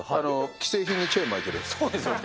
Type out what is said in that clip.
既製品にチェーン巻いてるやそうですよね。